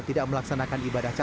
tidak melaksanakan ibadah